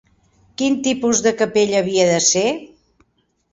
Quin tipus de capella havia de ser?